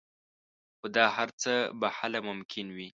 خو دا هر څه به هله ممکن وي